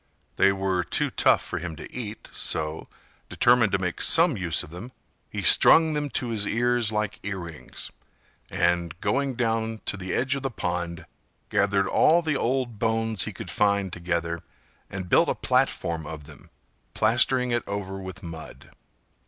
They were too tough for him to eat, so, determined to make some use of them, he strung them to his ears like earrings, and, going down to the edge of the pond, gathered all the old bones he could find together and built a platform of them, plastering it over with mud.